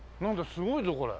すごいぞこれ。